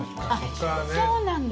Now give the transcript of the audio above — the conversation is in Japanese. そうなんだ。